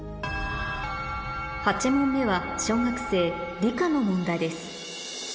８問目は小学生理科の問題です